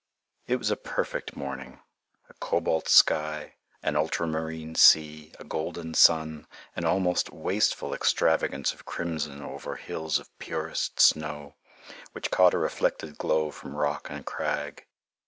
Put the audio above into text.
It was a perfect morning, a cobalt sky, an ultramarine sea, a golden sun, an almost wasteful extravagance of crimson over hills of purest snow, which caught a reflected glow from rock and crag.